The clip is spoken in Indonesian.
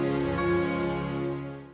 ada ada di luar